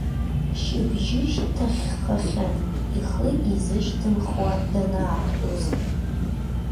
Шьыбжьышьҭахьхахьан ихы изышьҭымхуа данаақәтәаз.